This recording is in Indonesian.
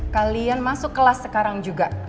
kalian masuk kelas sekarang juga